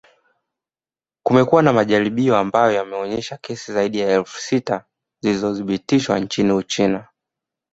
Kumekuwa na majaribio ambayo yameonyesha kesi zaidi ya elfu sita zilizothibitishwa nchini Uchina